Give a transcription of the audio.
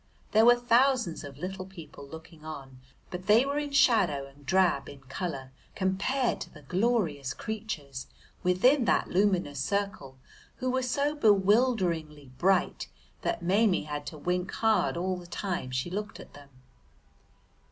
There were thousands of little people looking on, but they were in shadow and drab in colour compared to the glorious creatures within that luminous circle who were so bewilderingly bright that Maimie had to wink hard all the time she looked at them.